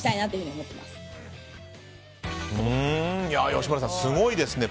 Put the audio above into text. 吉村さん、すごいですね。